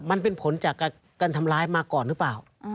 มันเป็นผลจากการทำร้ายมาก่อนหรือเปล่า